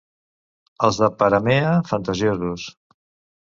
Els de Peramea, fantasiosos.